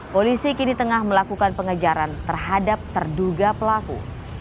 polisi kini tengah melakukan pengejaran terhadap terduga pelaku